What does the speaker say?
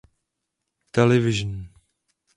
Television.